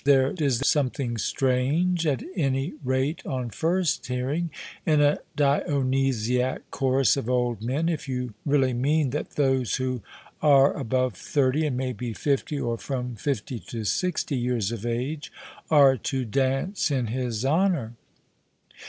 There is something strange, at any rate on first hearing, in a Dionysiac chorus of old men, if you really mean that those who are above thirty, and may be fifty, or from fifty to sixty years of age, are to dance in his honour.